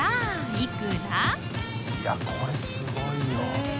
いやこれすごいよ。